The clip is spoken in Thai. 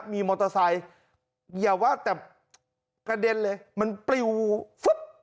มีมอเตอร์ไซค์อย่าว่าแต่กระเด็นเลยมันปลิวฟึ๊บ